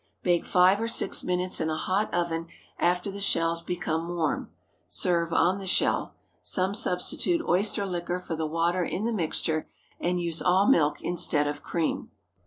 Bake five or six minutes in a hot oven after the shells become warm. Serve on the shell. Some substitute oyster liquor for the water in the mixture, and use all milk instead of cream.